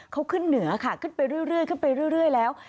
เขาขึ้นเหนือค่ะขึ้นไปเรื่อยขึ้นไปเรื่อยแล้ว